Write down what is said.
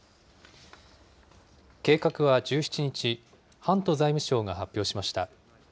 計画は１７日、ハント財務相が発表しました。